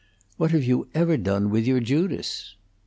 What have you ever done with your Judas?"